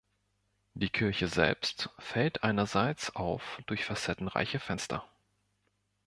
Die Kirche selbst fällt einerseits auf durch facettenreiche Fenster.